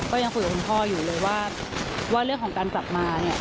ก็ยังคุยกับคุณพ่ออยู่เลยว่าเรื่องของการกลับมาเนี่ย